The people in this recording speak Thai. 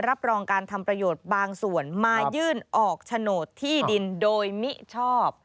รับรองการทำประโยชน์บางส่วนมายื่นออกโฉนดที่ดินโดยมิชอบ